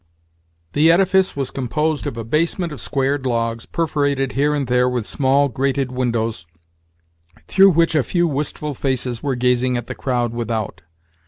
The edifice was composed of a basement of squared logs, perforated here and there with small grated windows, through which a few wistful faces were gazing at the crowd without.